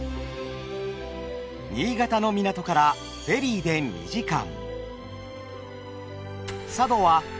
新潟の港からフェリーで２時間。